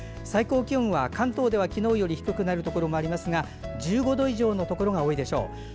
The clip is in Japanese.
最高気温は関東では昨日より低くなるところもありますが１５度以上のところが多いでしょう。